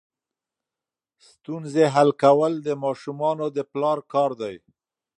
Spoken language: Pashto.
ستونزې حل کول د ماشومانو د پلار کار دی.